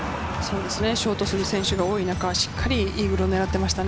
ショートする選手が多い中、しっかりイーグルを狙ってきました。